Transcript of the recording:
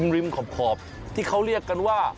ริมขอบที่เขาเรียกกันว่า